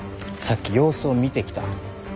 さっき様子を見てきた。